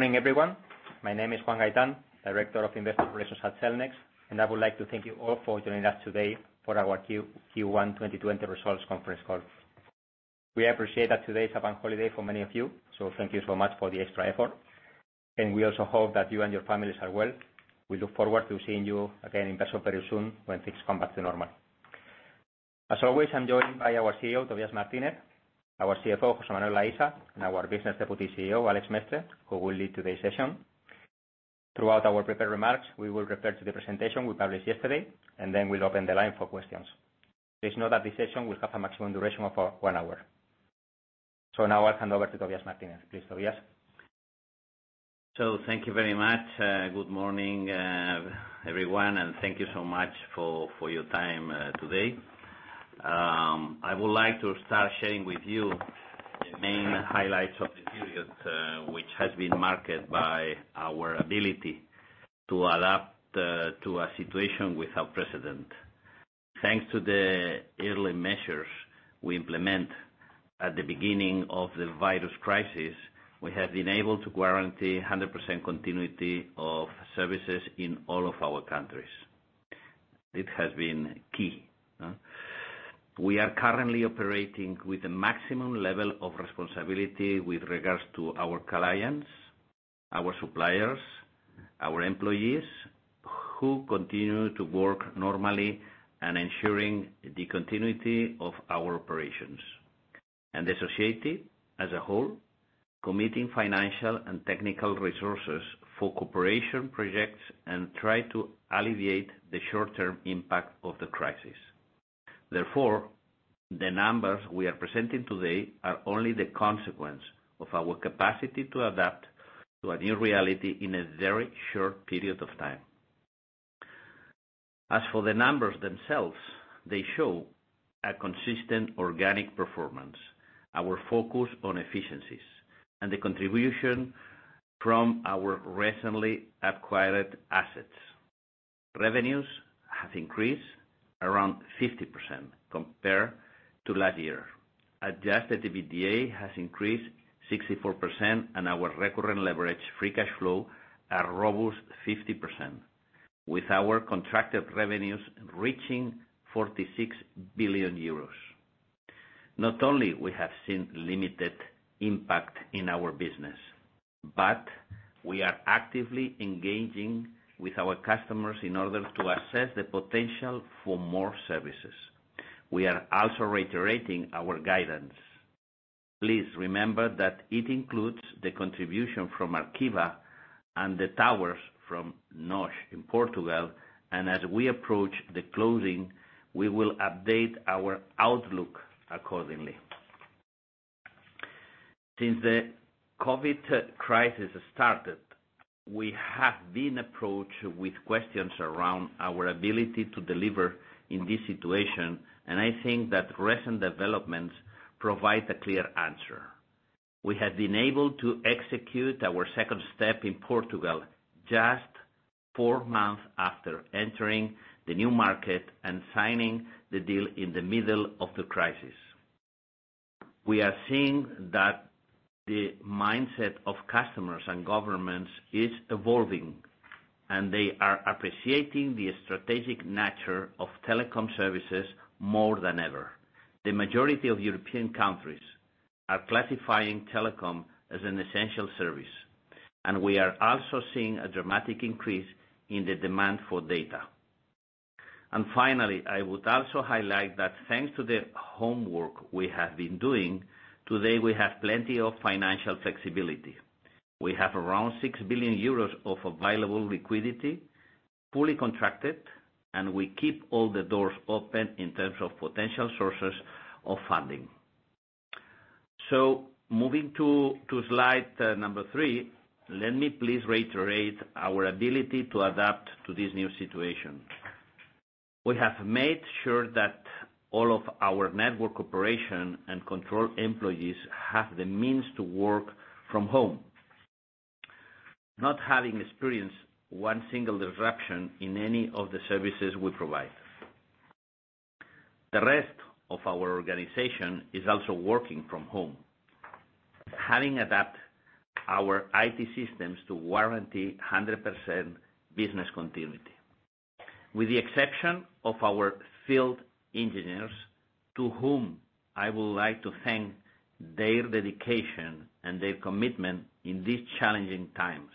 Morning, everyone. My name is Juan Gaitán, Director of Investor Relations at Cellnex, and I would like to thank you all for joining us today for our Q1 2020 results conference call. We appreciate that today is a bank holiday for many of you, so thank you so much for the extra effort. And we also hope that you and your families are well. We look forward to seeing you again in person very soon when things come back to normal. As always, I'm joined by our CEO, Tobías Martínez, our CFO, José Manuel Aisa, and our Business Deputy CEO, Àlex Mestre, who will lead today's session. Throughout our prepared remarks, we will refer to the presentation we published yesterday, and then we'll open the line for questions. Please note that this session will have a maximum duration of one hour. So now I'll hand over to Tobías Martínez. Please, Tobias. So thank you very much. Good morning, everyone, and thank you so much for your time today. I would like to start sharing with you the main highlights of the period which has been marked by our ability to adapt to a situation without precedent. Thanks to the early measures we implement at the beginning of the virus crisis, we have been able to guarantee 100% continuity of services in all of our countries. It has been key. We are currently operating with a maximum level of responsibility with regards to our clients, our suppliers, our employees, who continue to work normally and ensuring the continuity of our operations, and the society, as a whole, committing financial and technical resources for cooperation projects and trying to alleviate the short-term impact of the crisis. Therefore, the numbers we are presenting today are only the consequence of our capacity to adapt to a new reality in a very short period of time. As for the numbers themselves, they show a consistent organic performance, our focus on efficiencies, and the contribution from our recently acquired assets. Revenues have increased around 50% compared to last year. Adjusted EBITDA has increased 64%, and our recurrent leverage free cash flow is robust 50%, with our contracted revenues reaching 46 billion euros. Not only have we seen limited impact in our business, but we are actively engaging with our customers in order to assess the potential for more services. We are also reiterating our guidance. Please remember that it includes the contribution from Arqiva and the towers from NOS in Portugal, and as we approach the closing, we will update our outlook accordingly. Since the COVID crisis started, we have been approached with questions around our ability to deliver in this situation, and I think that recent developments provide a clear answer. We have been able to execute our second step in Portugal just four months after entering the new market and signing the deal in the middle of the crisis. We are seeing that the mindset of customers and governments is evolving, and they are appreciating the strategic nature of telecom services more than ever. The majority of European countries are classifying telecom as an essential service, and we are also seeing a dramatic increase in the demand for data. And finally, I would also highlight that thanks to the homework we have been doing, today we have plenty of financial flexibility. We have around 6 billion euros of available liquidity, fully contracted, and we keep all the doors open in terms of potential sources of funding. So moving to slide number three, let me please reiterate our ability to adapt to this new situation. We have made sure that all of our network operation and control employees have the means to work from home, not having experienced one single disruption in any of the services we provide. The rest of our organization is also working from home, having adapted our IT systems to warrant 100% business continuity, with the exception of our field engineers, to whom I would like to thank their dedication and their commitment in these challenging times.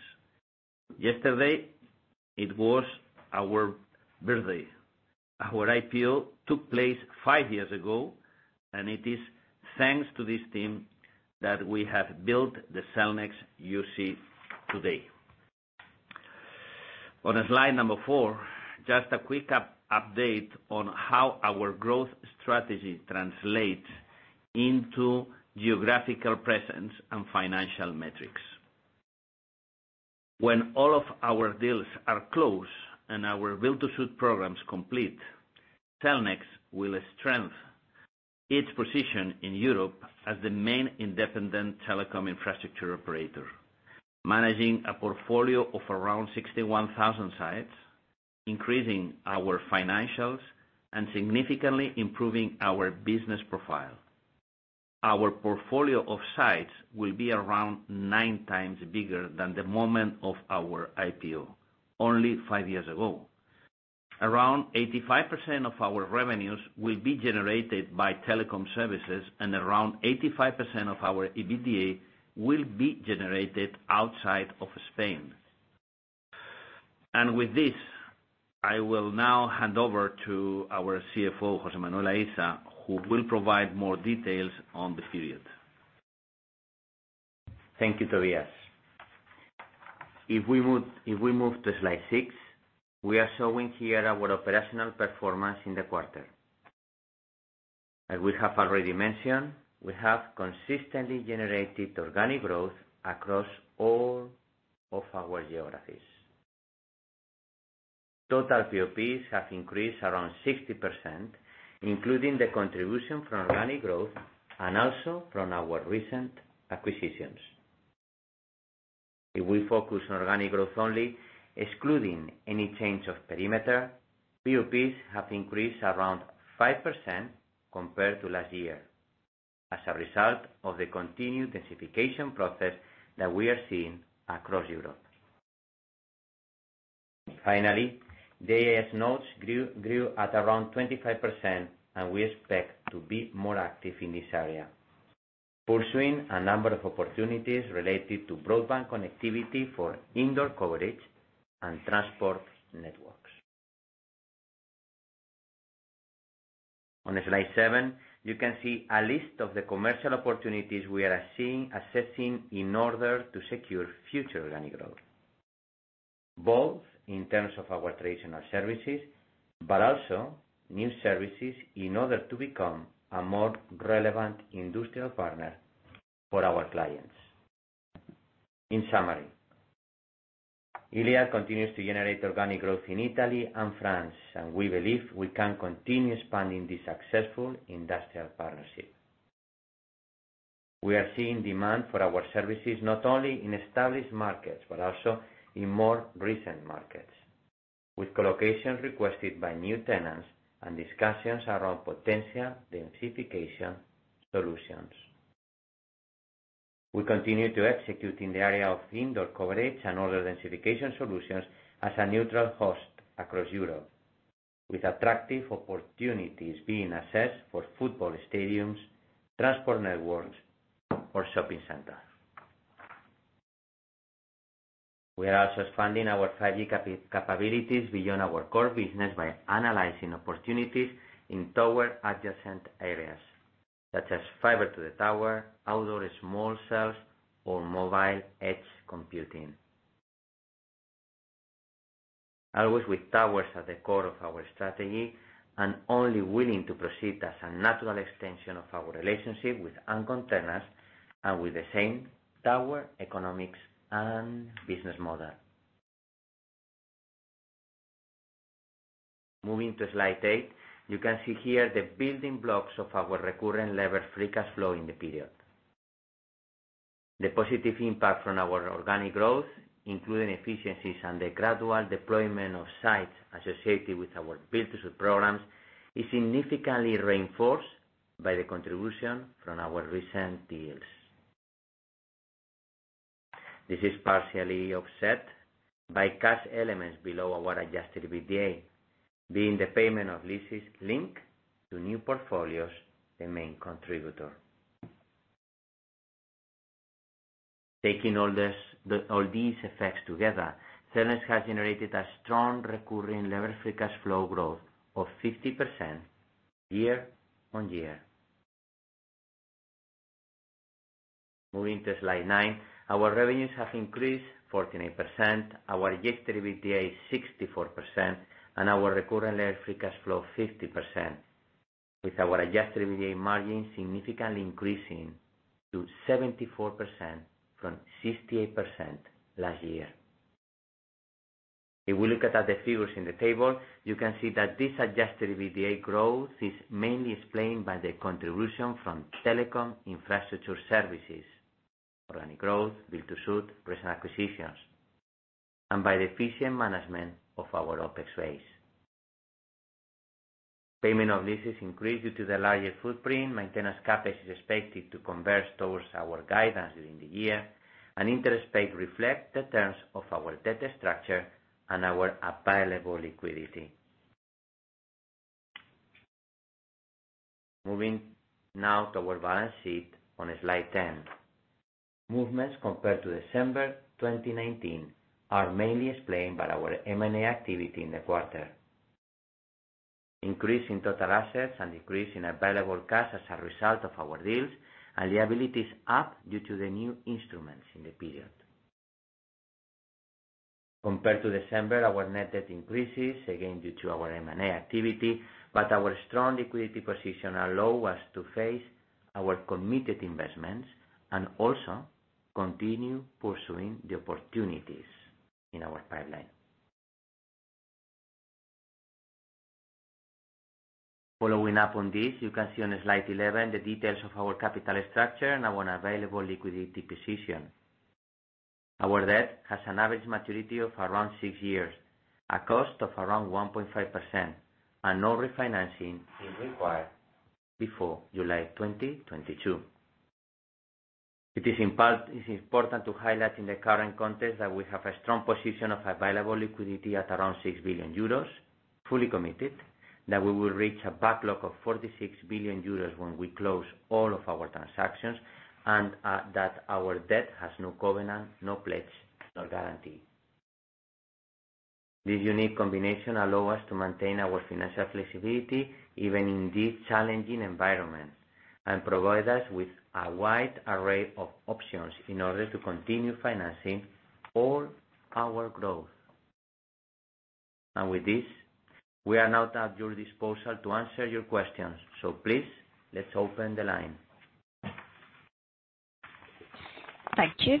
Yesterday, it was our birthday. Our IPO took place five years ago, and it is thanks to this team that we have built the Cellnex UK today. On slide number four, just a quick update on how our growth strategy translates into geographical presence and financial metrics. When all of our deals are closed and our build-to-suit programs complete, Cellnex will strengthen its position in Europe as the main independent telecom infrastructure operator, managing a portfolio of around 61,000 sites, increasing our financials and significantly improving our business profile. Our portfolio of sites will be around nine times bigger than the moment of our IPO, only five years ago. Around 85% of our revenues will be generated by telecom services, and around 85% of our EBITDA will be generated outside of Spain, and with this, I will now hand over to our CFO, José Manuel Aisa, who will provide more details on the period. Thank you, Tobías. If we move to slide six, we are showing here our operational performance in the quarter. As we have already mentioned, we have consistently generated organic growth across all of our geographies. Total PoPs have increased around 60%, including the contribution from organic growth and also from our recent acquisitions. If we focus on organic growth only, excluding any change of perimeter, PoPs have increased around 5% compared to last year as a result of the continued densification process that we are seeing across Europe. Finally, the DAS nodes grew at around 25%, and we expect to be more active in this area, pursuing a number of opportunities related to broadband connectivity for indoor coverage and transport networks. On slide seven, you can see a list of the commercial opportunities we are seeing assessing in order to secure future organic growth, both in terms of our traditional services but also new services in order to become a more relevant industrial partner for our clients. In summary, Iliad continues to generate organic growth in Italy and France, and we believe we can continue expanding this successful industrial partnership. We are seeing demand for our services not only in established markets but also in more recent markets, with colocations requested by new tenants and discussions around potential densification solutions. We continue to execute in the area of indoor coverage and other densification solutions as a neutral host across Europe, with attractive opportunities being assessed for football stadiums, transport networks, or shopping centers. We are also expanding our 5G capabilities beyond our core business by analyzing opportunities in tower-adjacent areas such as fiber to the tower, outdoor small cells, or mobile edge computing. Always with towers at the core of our strategy and only willing to proceed as a natural extension of our relationship with anchor tenants and with the same tower economics and business model. Moving to slide eight, you can see here the building blocks of our recurring leveraged free cash flow in the period. The positive impact from our organic growth, including efficiencies and the gradual deployment of sites associated with our build-to-suit programs, is significantly reinforced by the contribution from our recent deals. This is partially offset by cash elements below our Adjusted EBITDA, being the payment of leases linked to new portfolios the main contributor. Taking all these effects together, Cellnex has generated a strong recurring leveraged free cash flow growth of 50% year on year. Moving to slide nine, our revenues have increased 49%, our Adjusted EBITDA 64%, and our recurring leveraged free cash flow 50%, with our Adjusted EBITDA margin significantly increasing to 74% from 68% last year. If we look at the figures in the table, you can see that this Adjusted EBITDA growth is mainly explained by the contribution from telecom infrastructure services, organic growth, build-to-suit, recent acquisitions, and by the efficient management of our OpEx ways. Payment of leases increased due to the larger footprint, maintenance capex expected to converge towards our guidance during the year, and interest paid reflects the terms of our debt structure and our available liquidity. Moving now to our balance sheet on slide 10, movements compared to December 2019 are mainly explained by our M&A activity in the quarter, increase in total assets and decrease in available cash as a result of our deals, and liabilities up due to the new instruments in the period. Compared to December, our net debt increases again due to our M&A activity, but our strong liquidity position allowed us to face our committed investments and also continue pursuing the opportunities in our pipeline. Following up on this, you can see on slide 11 the details of our capital structure and our available liquidity position. Our debt has an average maturity of around six years, a cost of around 1.5%, and no refinancing is required before July 2022. It is important to highlight in the current context that we have a strong position of available liquidity at around 6 billion euros, fully committed, that we will reach a backlog of 46 billion euros when we close all of our transactions, and that our debt has no covenant, no pledge, no guarantee. This unique combination allows us to maintain our financial flexibility even in these challenging environments and provides us with a wide array of options in order to continue financing all our growth, and with this, we are now at your disposal to answer your questions, so please, let's open the line. Thank you.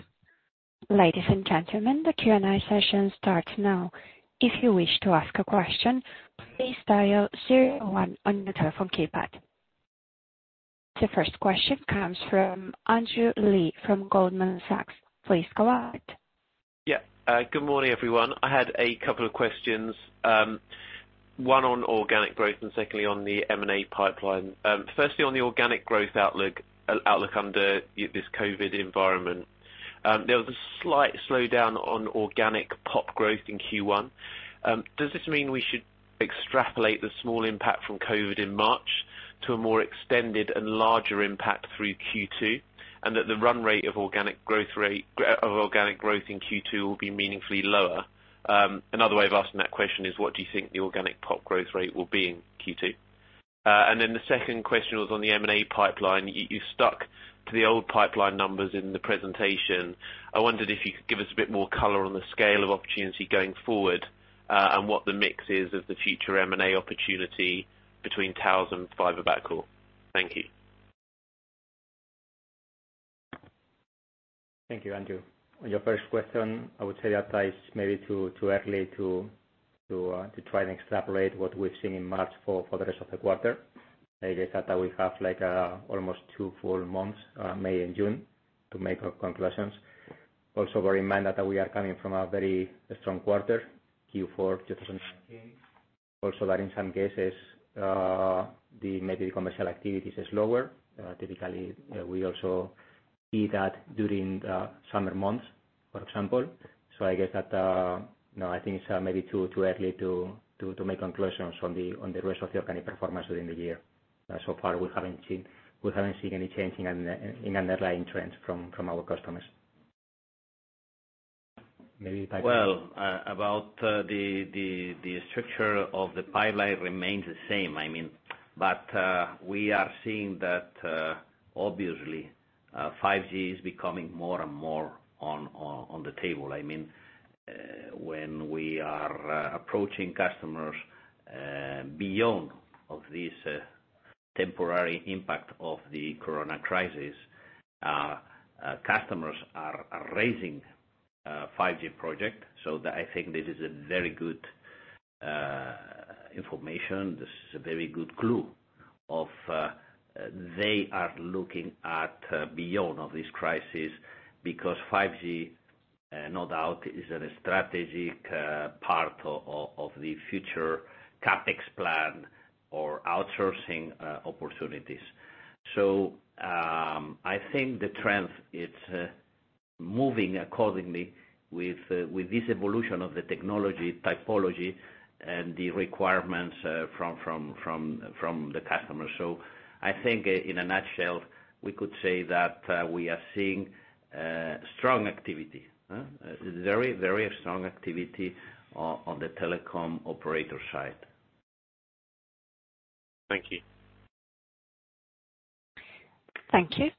Ladies and gentlemen, the Q&A session starts now. If you wish to ask a question, please dial zero one on your telephone keypad. The first question comes from Andrew Lee from Goldman Sachs. Please go ahead. Yeah. Good morning, everyone. I had a couple of questions, one on organic growth and secondly on the M&A pipeline. Firstly, on the organic growth outlook under this COVID environment, there was a slight slowdown on organic PoP growth in Q1. Does this mean we should extrapolate the small impact from COVID in March to a more extended and larger impact through Q2, and that the run rate of organic growth in Q2 will be meaningfully lower? Another way of asking that question is, what do you think the organic PoP growth rate will be in Q2? And then the second question was on the M&A pipeline. You stuck to the old pipeline numbers in the presentation. I wondered if you could give us a bit more color on the scale of opportunity going forward and what the mix is of the future M&A opportunity between towers and fiber backhaul. Thank you. Thank you, Andrew. Your first question, I would say that it's maybe too early to try and extrapolate what we've seen in March for the rest of the quarter. I guess that we have almost two full months, May and June, to make our conclusions. Also, bear in mind that we are coming from a very strong quarter, Q4 2019. Also, that in some cases, maybe the commercial activity is slower. Typically, we also see that during the summer months, for example. So I guess that, no, I think it's maybe too early to make conclusions on the rest of the organic performance during the year. So far, we haven't seen any change in underlying trends from our customers. Maybe back to. About the structure of the pipeline remains the same, I mean, but we are seeing that, obviously, 5G is becoming more and more on the table. I mean, when we are approaching customers beyond this temporary impact of the corona crisis, customers are raising 5G projects. So I think this is very good information. This is a very good clue of they are looking at beyond this crisis because 5G, no doubt, is a strategic part of the future CapEx plan or outsourcing opportunities. So I think the trend is moving accordingly with this evolution of the technology typology and the requirements from the customers. So I think, in a nutshell, we could say that we are seeing strong activity, very, very strong activity on the telecom operator side. Thank you. Thank you.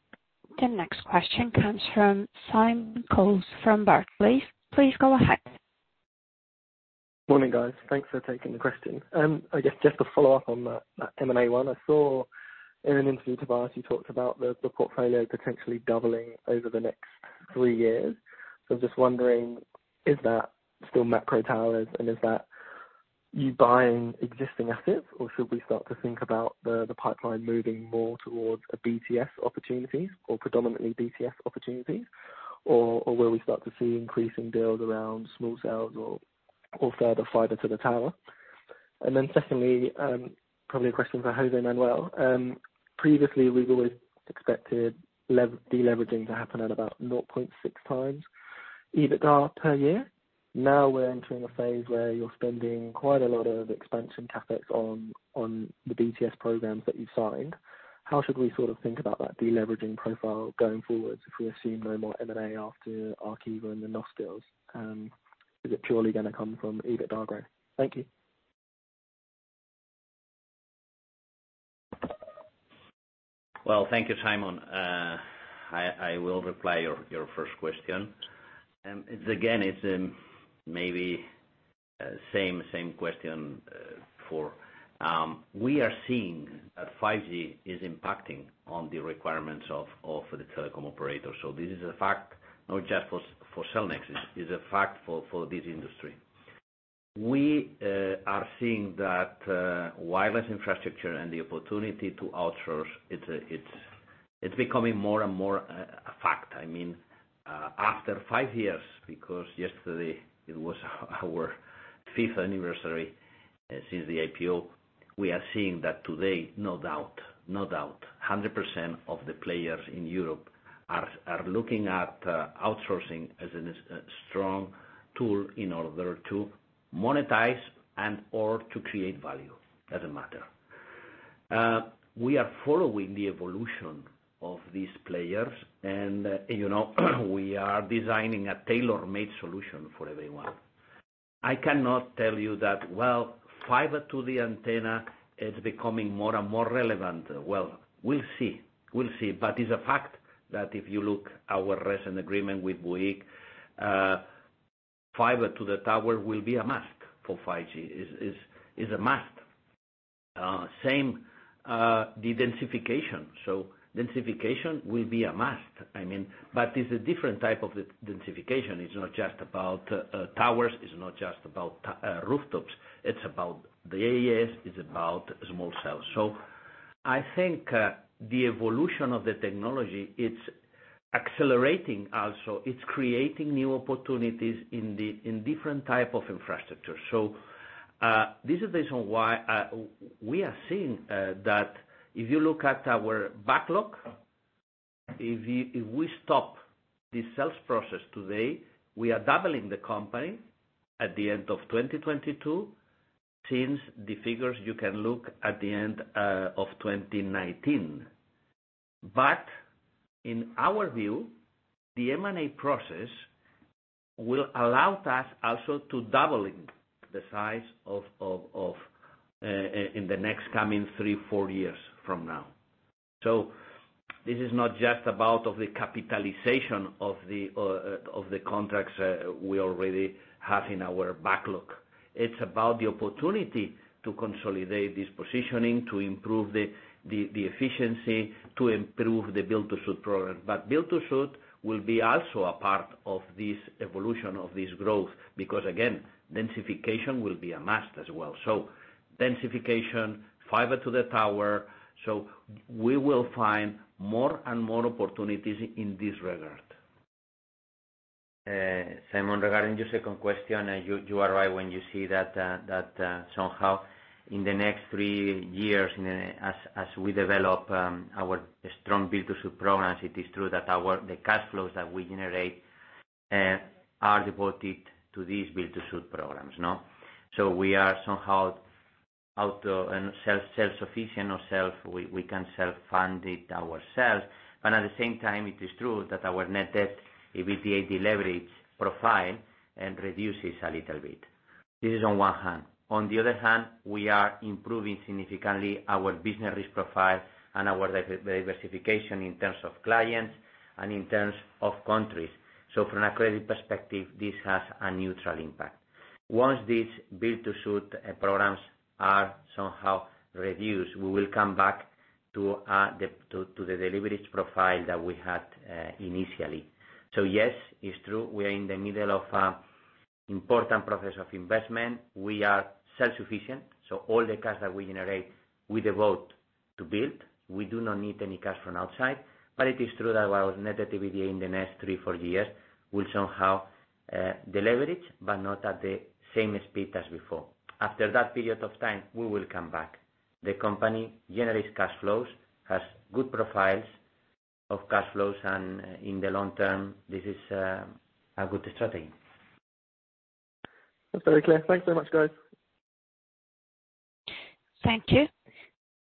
The next question comes from Simon Coles from Barclays. Please go ahead. Morning, guys. Thanks for taking the question. I guess just to follow up on that M&A one, I saw in an interview to Barclays you talked about the portfolio potentially doubling over the next three years. So I'm just wondering, is that still macro towers, and is that you buying existing assets, or should we start to think about the pipeline moving more towards BTS opportunities or predominantly BTS opportunities, or will we start to see increasing deals around small cells or further fiber to the tower? And then secondly, probably a question for José Manuel. Previously, we've always expected deleveraging to happen at about 0.6x EBITDA per year. Now we're entering a phase where you're spending quite a lot of expansion CapEx on the BTS programs that you've signed. How should we sort of think about that deleveraging profile going forward if we assume no more M&A after Arqiva and the NOS deals? Is it purely going to come from EBITDA growth? Thank you. Thank you, Simon. I will reply to your first question. Again, it's maybe the same question for. We are seeing that 5G is impacting on the requirements of the telecom operator. So this is a fact, not just for Cellnex. It's a fact for this industry. We are seeing that wireless infrastructure and the opportunity to outsource, it's becoming more and more a fact. I mean, after five years, because yesterday it was our fifth anniversary since the IPO, we are seeing that today, no doubt, no doubt, 100% of the players in Europe are looking at outsourcing as a strong tool in order to monetize and/or to create value. It doesn't matter. We are following the evolution of these players, and we are designing a tailor-made solution for everyone. I cannot tell you that, well, fiber to the tower, it's becoming more and more relevant. We'll see. We'll see. But it's a fact that if you look at our recent agreement with Bouygues, fiber to the tower will be a must for 5G. It's a must. Same with densification. So densification will be a must. I mean, but it's a different type of densification. It's not just about towers. It's not just about rooftops. It's about the DAS. It's about small cells. So I think the evolution of the technology, it's accelerating also. It's creating new opportunities in different types of infrastructure. So this is the reason why we are seeing that if you look at our backlog, if we stop the sales process today, we are doubling the company at the end of 2022 since the figures you can look at the end of 2019. But in our view, the M&A process will allow us also to double the size in the next coming three, four years from now. So this is not just about the capitalization of the contracts we already have in our backlog. It's about the opportunity to consolidate this positioning, to improve the efficiency, to improve the build-to-suit program. But build-to-suit will be also a part of this evolution of this growth because, again, densification will be a must as well. So densification, fiber to the tower. So we will find more and more opportunities in this regard. Simon, regarding your second question, you are right when you see that somehow in the next three years, as we develop our strong build-to-suit programs, it is true that the cash flows that we generate are devoted to these build-to-suit programs. So we are somehow self-sufficient or we can self-fund ourselves. But at the same time, it is true that our net debt, if we deleverage profile, reduces a little bit. This is on one hand. On the other hand, we are improving significantly our business risk profile and our diversification in terms of clients and in terms of countries. So from a credit perspective, this has a neutral impact. Once these build-to-suit programs are somehow reduced, we will come back to the deleverage profile that we had initially. So yes, it's true. We are in the middle of an important process of investment. We are self-sufficient. So all the cash that we generate, we devote to build. We do not need any cash from outside. But it is true that our net debt in the next three, four years will somehow deleverage, but not at the same speed as before. After that period of time, we will come back. The company generates cash flows, has good profiles of cash flows, and in the long term, this is a good strategy. That's very clear. Thanks very much, guys. Thank you.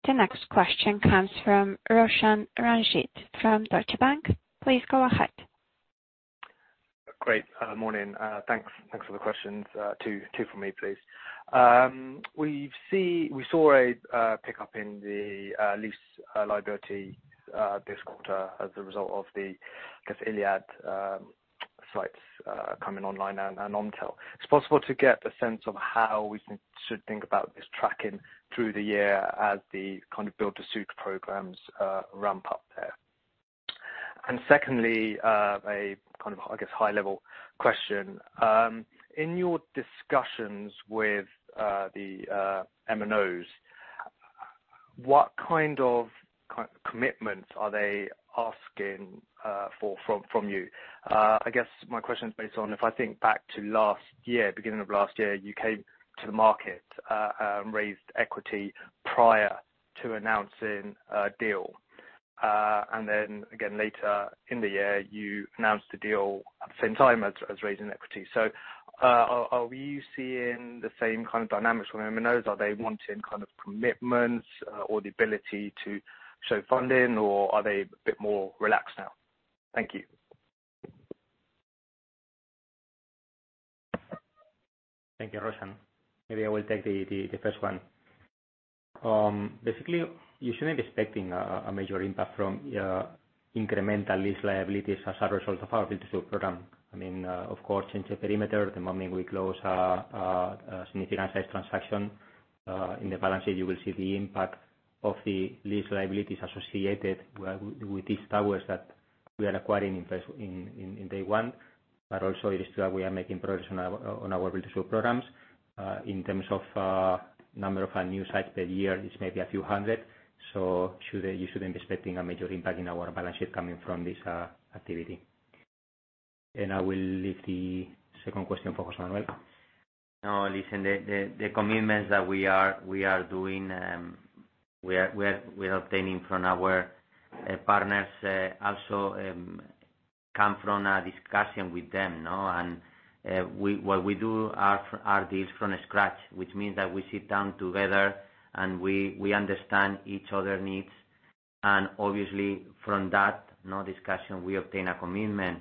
The next question comes from Roshan Ranjit from Deutsche Bank. Please go ahead. Good morning. Thanks for the questions. Two for me, please. We saw a pickup in the lease liability this quarter as a result of the Iliad sites coming online and Omtel. Is it possible to get a sense of how we should think about this tracking through the year as the build-to-suit programs ramp up there? And secondly, a kind of, I guess, high-level question. In your discussions with the MNOs, what kind of commitments are they asking for from you? I guess my question is based on if I think back to beginning of last year, you came to the market and raised equity prior to announcing a deal. And then again, later in the year, you announced a deal at the same time as raising equity. So are we seeing the same kind of dynamics from MNOs? Are they wanting kind of commitments or the ability to show funding, or are they a bit more relaxed now? Thank you. Thank you, Roshan. Maybe I will take the first one. Basically, you shouldn't be expecting a major impact from incremental lease liabilities as a result of our build-to-suit program. I mean, of course, change the perimeter. The moment we close a significant-sized transaction in the balance sheet, you will see the impact of the lease liabilities associated with these towers that we are acquiring in day one. But also, it is true that we are making progress on our build-to-suit programs. In terms of number of new sites per year, it's maybe a few hundred. So you shouldn't be expecting a major impact in our balance sheet coming from this activity. And I will leave the second question for José Manuel. No, listen, the commitments that we are doing, we are obtaining from our partners also come from a discussion with them. What we do are deals from scratch, which means that we sit down together and we understand each other's needs. Obviously, from that discussion, we obtain a commitment.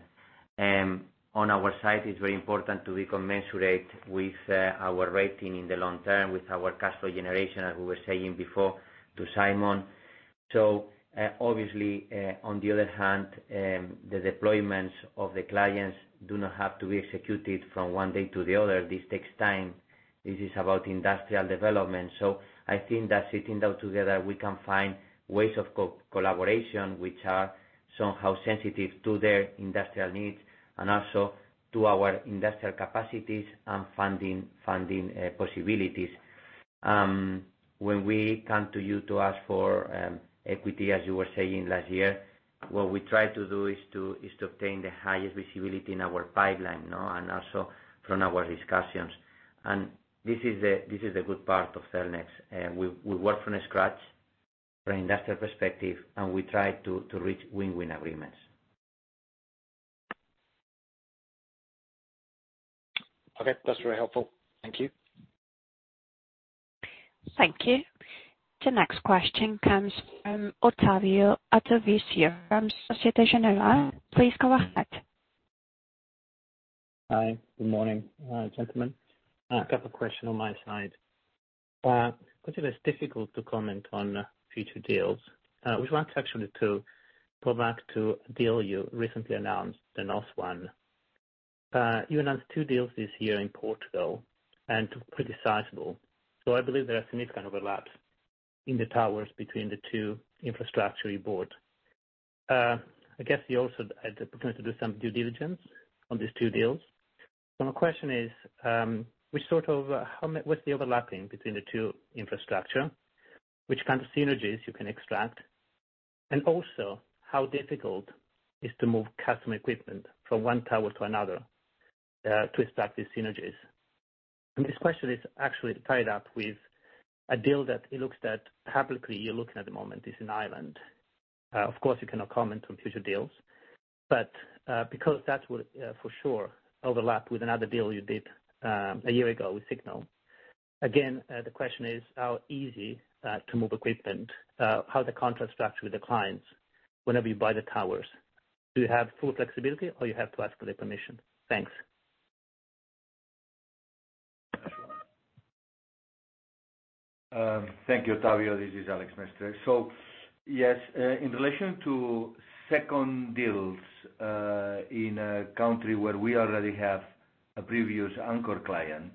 On our side, it's very important to be commensurate with our rating in the long term with our cash flow generation, as we were saying before to Simon. Obviously, on the other hand, the deployments of the clients do not have to be executed from one day to the other. This takes time. This is about industrial development. I think that sitting down together, we can find ways of collaboration which are somehow sensitive to their industrial needs and also to our industrial capacities and funding possibilities. When we come to you to ask for equity, as you were saying last year, what we try to do is to obtain the highest visibility in our pipeline and also from our discussions, and this is the good part of Cellnex. We work from scratch from an industrial perspective, and we try to reach win-win agreements. Okay. That's very helpful. Thank you. Thank you. The next question comes from Ottavio Adorisio from Société Générale. Please go ahead. Hi. Good morning, gentlemen. I have a question on my side. It's difficult to comment on future deals. We want actually to go back to a deal you recently announced, the NOS one. You announced two deals this year in Portugal, and two pretty sizable. So I believe there are significant overlaps in the towers between the two infrastructure you bought. I guess you also had the opportunity to do some due diligence on these two deals. My question is, what's the overlapping between the two infrastructures? Which kind of synergies you can extract? And also, how difficult is it to move custom equipment from one tower to another to extract these synergies? And this question is actually tied up with a deal that it looks that publicly you're looking at the moment is in Ireland. Of course, you cannot comment on future deals. But because that would for sure overlap with another deal you did a year ago with Cignal. Again, the question is, how easy is it to move equipment? How's the contract structure with the clients whenever you buy the towers? Do you have full flexibility, or do you have to ask for their permission? Thanks. Thank you, Ottavio. This is Àlex Mestre. So yes, in relation to second deals in a country where we already have a previous anchor client,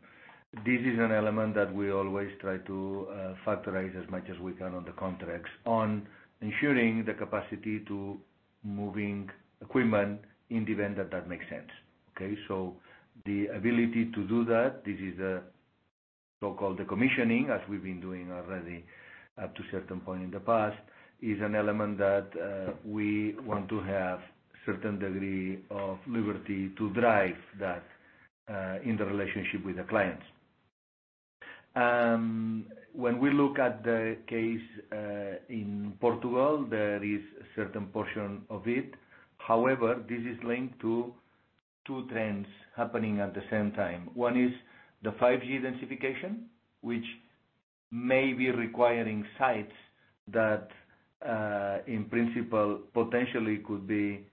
this is an element that we always try to factorize as much as we can on the contracts on ensuring the capacity to move equipment in the event that that makes sense. Okay? So the ability to do that, this is the so-called commissioning, as we've been doing already up to a certain point in the past, is an element that we want to have a certain degree of liberty to drive that in the relationship with the clients. When we look at the case in Portugal, there is a certain portion of it. However, this is linked to two trends happening at the same time. One is the 5G densification, which may be requiring sites that, in principle, potentially could be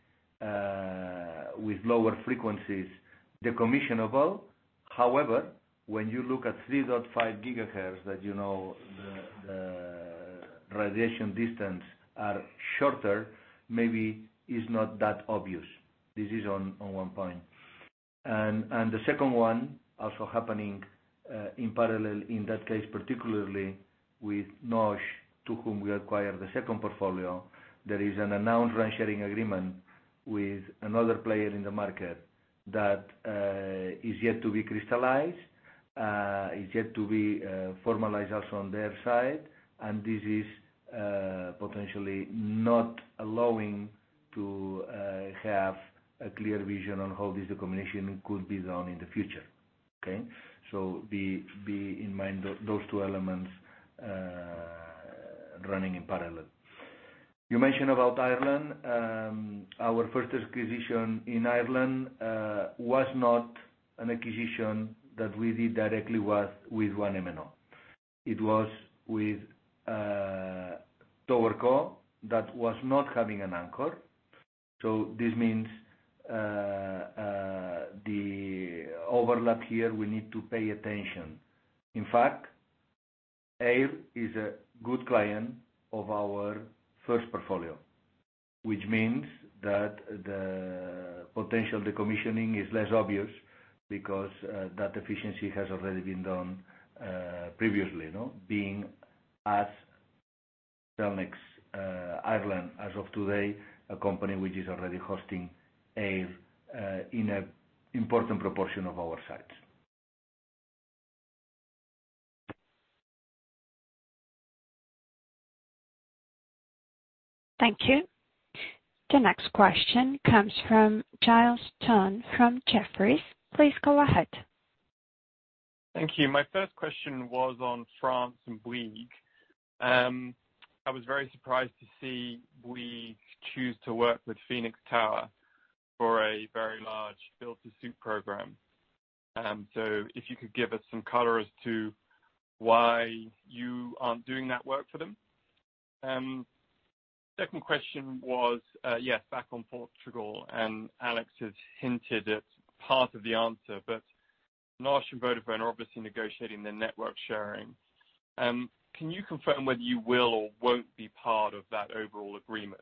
with lower frequencies decommissionable. However, when you look at 3.5 gigahertz, that you know the radiation distances are shorter, maybe it's not that obvious. This is one point, and the second one also happening in parallel in that case, particularly with NOS, to whom we acquired the second portfolio, there is an announced RAN sharing agreement with another player in the market that is yet to be crystallized. It's yet to be formalized also on their side, and this is potentially not allowing to have a clear vision on how this decommissioning could be done in the future. Okay? Bear in mind those two elements running in parallel. You mentioned about Ireland. Our first acquisition in Ireland was not an acquisition that we did directly with one MNO. It was with TowerCo that was not having an anchor. So this means the overlap here we need to pay attention. In fact, Eir is a good client of our first portfolio, which means that the potential decommissioning is less obvious because that efficiency has already been done previously. Being as Cellnex Ireland, as of today, a company which is already hosting Eir in an important proportion of our sites. Thank you. The next question comes from Giles Thorne from Jefferies. Please go ahead. Thank you. My first question was on France and Bouygues. I was very surprised to see Bouygues choose to work with Phoenix Tower for a very large build-to-suit program. So if you could give us some color as to why you aren't doing that work for them? Second question was, yes, back on Portugal, and Alex has hinted at part of the answer, but NOS and Vodafone are obviously negotiating their network sharing. Can you confirm whether you will or won't be part of that overall agreement?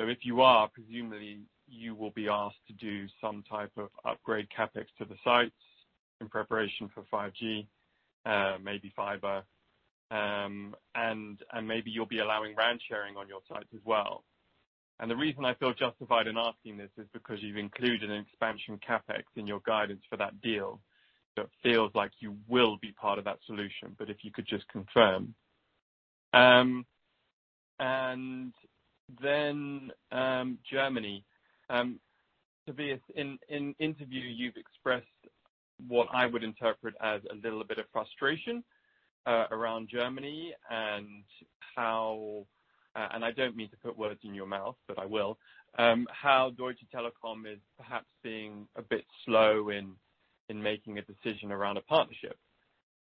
So if you are, presumably, you will be asked to do some type of upgrade CapEx to the sites in preparation for 5G, maybe fiber, and maybe you'll be allowing RAN sharing on your sites as well. And the reason I feel justified in asking this is because you've included an expansion CapEx in your guidance for that deal. So it feels like you will be part of that solution, but if you could just confirm. And then Germany. In interview, you've expressed what I would interpret as a little bit of frustration around Germany and how, and I don't mean to put words in your mouth, but I will, how Deutsche Telekom is perhaps being a bit slow in making a decision around a partnership.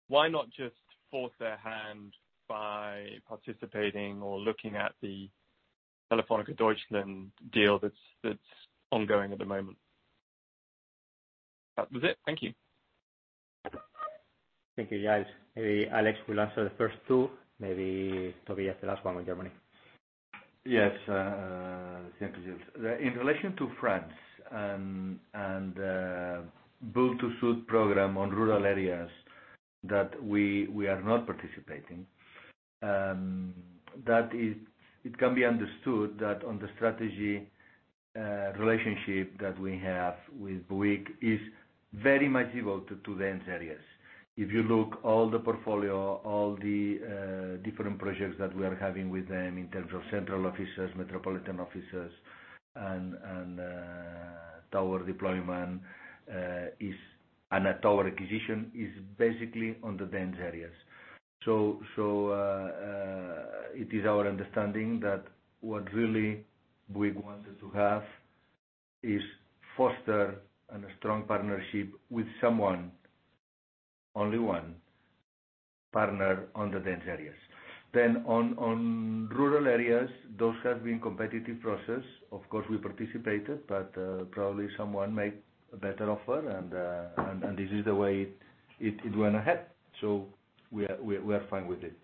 Why not just force their hand by participating or looking at the Telefónica Deutschland deal that's ongoing at the moment? That was it. Thank you. Thank you, guys. Maybe Àlex will answer the first two. Maybe Tobías, the last one on Germany. Yes. Simple deals. In relation to France and the build-to-suit program on rural areas that we are not participating, it can be understood that on the strategy relationship that we have with Bouygues is very much devoted to dense areas. If you look at all the portfolio, all the different projects that we are having with them in terms of central offices, metropolitan offices, and tower deployment, and tower acquisition, it's basically on the dense areas. So it is our understanding that what really Bouygues wants to have is foster a strong partnership with someone, only one, partner on the dense areas. Then on rural areas, those have been competitive processes. Of course, we participated, but probably someone made a better offer, and this is the way it went ahead. So we are fine with it.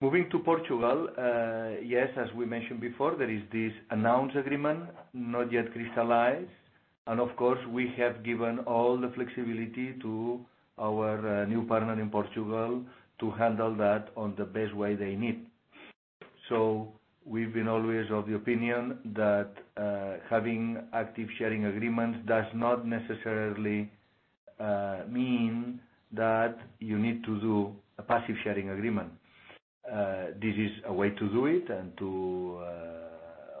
Moving to Portugal, yes, as we mentioned before, there is this announced agreement not yet crystallized. And of course, we have given all the flexibility to our new partner in Portugal to handle that in the best way they need. So we've been always of the opinion that having active sharing agreements does not necessarily mean that you need to do a passive sharing agreement. This is a way to do it, and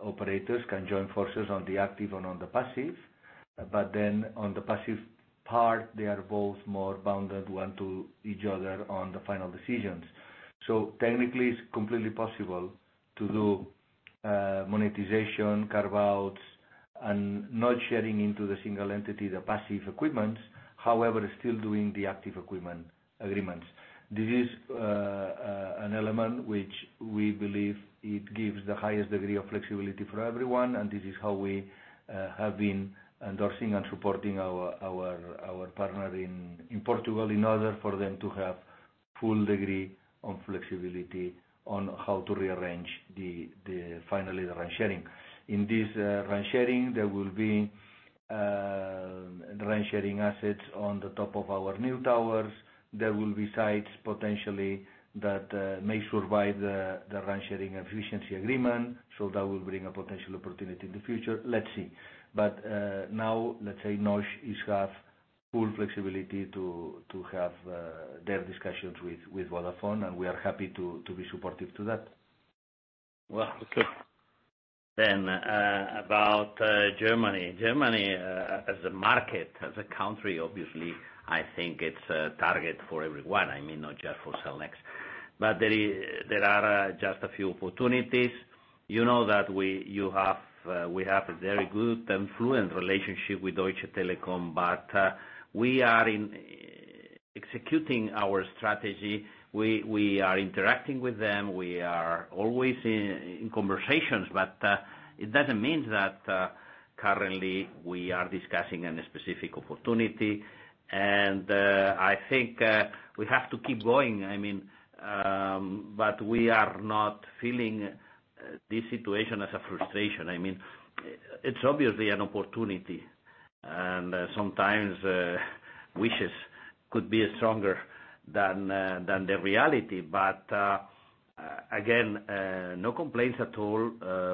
operators can join forces on the active and on the passive. But then on the passive part, they are both more bound than one to each other on the final decisions. So technically, it's completely possible to do monetization, carve-outs, and not sharing into the single entity the passive equipments, however, still doing the active equipment agreements. This is an element which we believe gives the highest degree of flexibility for everyone, and this is how we have been endorsing and supporting our partner in Portugal in order for them to have full degree of flexibility on how to rearrange finally the RAN sharing. In this RAN sharing, there will be RAN sharing assets on the top of our new towers. There will be sites potentially that may survive the RAN sharing efficiency agreement. So that will bring a potential opportunity in the future. Let's see. But now, let's say NOS has full flexibility to have their discussions with Vodafone, and we are happy to be supportive to that. Wow. Okay. Then about Germany. Germany, as a market, as a country, obviously, I think it's a target for everyone. I mean, not just for Cellnex. But there are just a few opportunities. You know that we have a very good and fluent relationship with Deutsche Telekom, but we are executing our strategy. We are interacting with them. We are always in conversations, but it doesn't mean that currently we are discussing any specific opportunity. I think we have to keep going. I mean, but we are not feeling this situation as a frustration. I mean, it's obviously an opportunity, and sometimes wishes could be stronger than the reality. Again, no complaints at all.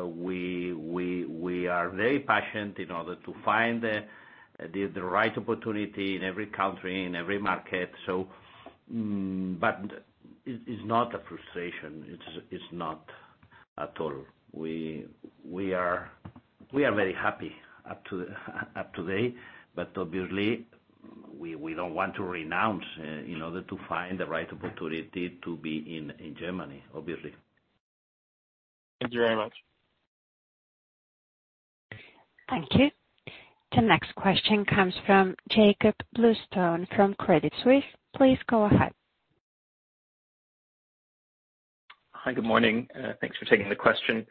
We are very passionate in order to find the right opportunity in every country, in every market. It's not a frustration. It's not at all. We are very happy up to today, but obviously, we don't want to renounce in order to find the right opportunity to be in Germany, obviously. Thank you very much. Thank you. The next question comes from Jakob Bluestone from Credit Suisse. Please go ahead. Hi. Good morning. Thanks for taking the question.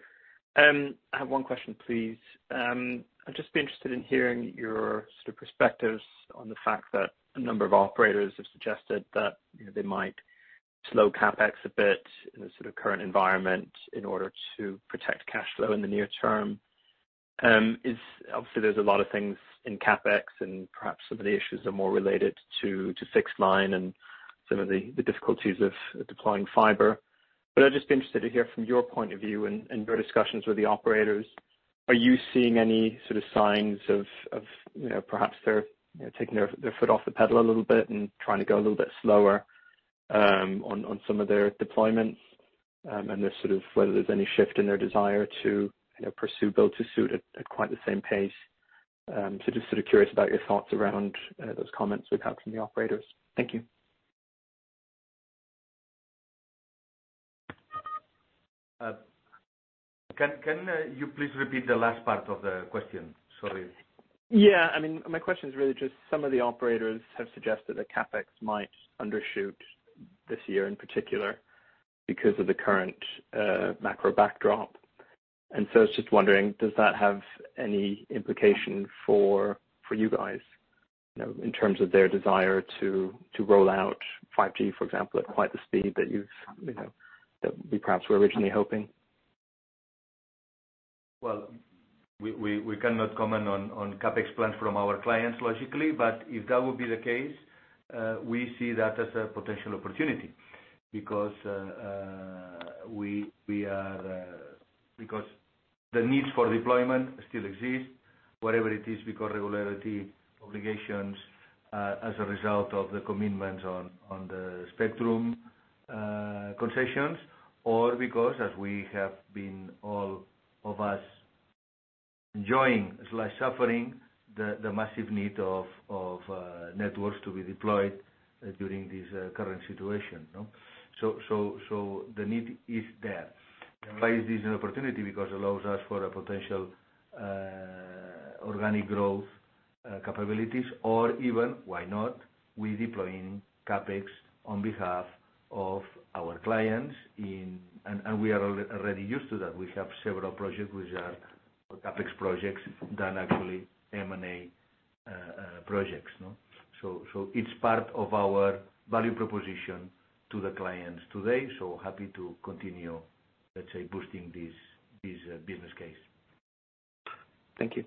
I have one question, please. I'd just be interested in hearing your sort of perspectives on the fact that a number of operators have suggested that they might slow CapEx a bit in the sort of current environment in order to protect cash flow in the near term. Obviously, there's a lot of things in CapEx, and perhaps some of the issues are more related to fixed line and some of the difficulties of deploying fiber. But I'd just be interested to hear from your point of view and your discussions with the operators. Are you seeing any sort of signs of perhaps they're taking their foot off the pedal a little bit and trying to go a little bit slower on some of their deployments? This sort of whether there's any shift in their desire to pursue build-to-suit at quite the same pace. Just sort of curious about your thoughts around those comments we've had from the operators. Thank you. Can you please repeat the last part of the question? Sorry. Yeah. I mean, my question is really just some of the operators have suggested that CapEx might undershoot this year in particular because of the current macro backdrop. And so I was just wondering, does that have any implication for you guys in terms of their desire to roll out 5G, for example, at quite the speed that we perhaps were originally hoping? We cannot comment on CapEx plans from our clients, logically. But if that would be the case, we see that as a potential opportunity because the needs for deployment still exist, whatever it is, because regulatory obligations as a result of the commitments on the spectrum concessions, or because, as we have been all of us enjoying or suffering, the massive need of networks to be deployed during this current situation. So the need is there. Why is this an opportunity? Because it allows us for a potential organic growth capabilities, or even, why not, us deploying CapEx on behalf of our clients. And we are already used to that. We have several projects which are CapEx projects than actual M&A projects. So it's part of our value proposition to the clients today. So happy to continue, let's say, boosting this business case. Thank you.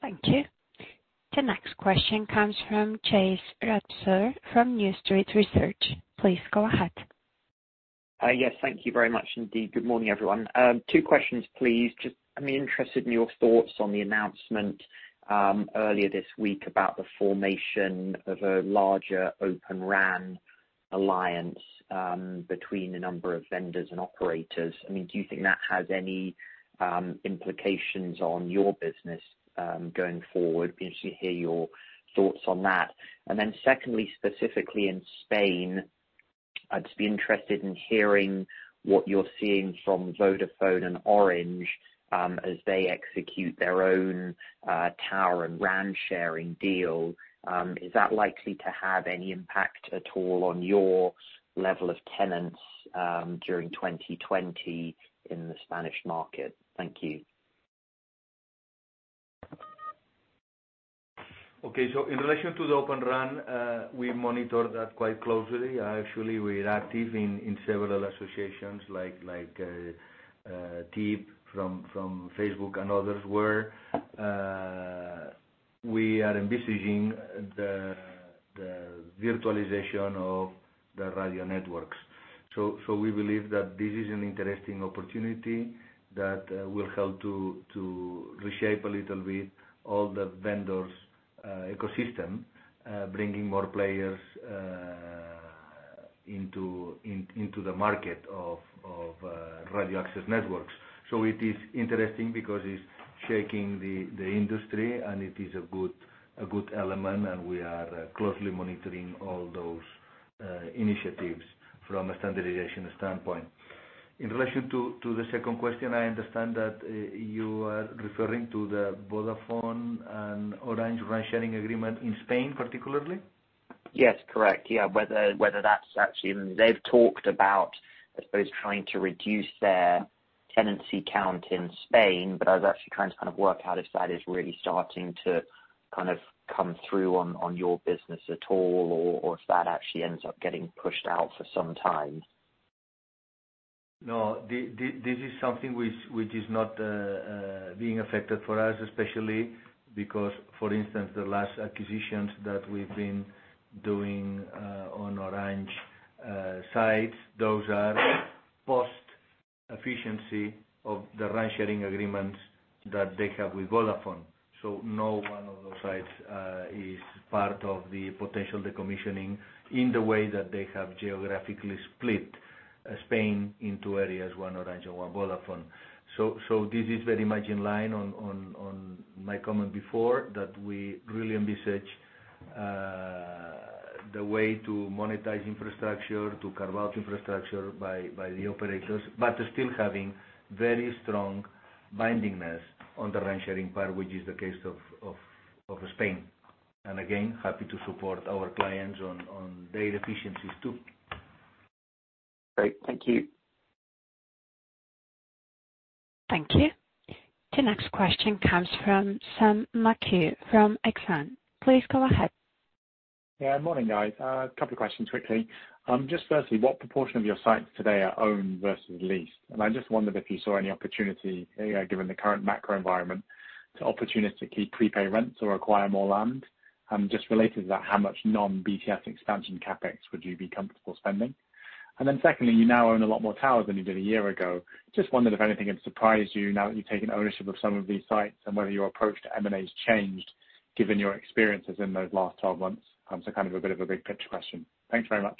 Thank you. The next question comes from James Ratzer from New Street Research. Please go ahead. Yes. Thank you very much indeed. Good morning, everyone. Two questions, please. Just, I'm interested in your thoughts on the announcement earlier this week about the formation of a larger Open RAN alliance between a number of vendors and operators. I mean, do you think that has any implications on your business going forward? Be interested to hear your thoughts on that. And then secondly, specifically in Spain, I'd just be interested in hearing what you're seeing from Vodafone and Orange as they execute their own tower and RAN sharing deal. Is that likely to have any impact at all on your level of tenants during 2020 in the Spanish market? Thank you. Okay. So in relation to the Open RAN, we monitor that quite closely. Actually, we're active in several associations like TIP from Facebook and others where we are envisaging the virtualization of the radio networks. So we believe that this is an interesting opportunity that will help to reshape a little bit all the vendors' ecosystem, bringing more players into the market of radio access networks. So it is interesting because it's shaking the industry, and it is a good element, and we are closely monitoring all those initiatives from a standardization standpoint. In relation to the second question, I understand that you are referring to the Vodafone and Orange RAN sharing agreement in Spain, particularly? Yes. Correct. Yeah. Whether that's actually they've talked about, I suppose, trying to reduce their tenancy count in Spain, but I was actually trying to kind of work out if that is really starting to kind of come through on your business at all, or if that actually ends up getting pushed out for some time. No. This is something which is not being affected for us, especially because, for instance, the last acquisitions that we've been doing on Orange sites, those are post-efficiency of the RAN sharing agreements that they have with Vodafone. So no one of those sites is part of the potential decommissioning in the way that they have geographically split Spain into areas: one, Orange, and one, Vodafone. So this is very much in line on my comment before that we really envisage the way to monetize infrastructure, to carve-out infrastructure by the operators, but still having very strong bindingness on the RAN sharing part, which is the case of Spain. And again, happy to support our clients on their efficiencies too. Great. Thank you. Thank you. The next question comes from Sam McHugh from Exane. Please go ahead. Yeah. Good morning, guys. A couple of questions quickly. Just firstly, what proportion of your sites today are owned versus leased? And I just wondered if you saw any opportunity, given the current macro environment, to opportunistically prepay rents or acquire more land. And just related to that, how much non-BTS expansion CapEx would you be comfortable spending? And then secondly, you now own a lot more towers than you did a year ago. Just wondered if anything had surprised you now that you've taken ownership of some of these sites and whether your approach to M&A has changed, given your experiences in those last 12 months. So kind of a bit of a big-picture question. Thanks very much.